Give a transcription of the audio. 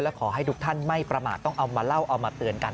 ขอให้ทุกท่านไม่ประมาทต้องเอามาเล่าเอามาเตือนกัน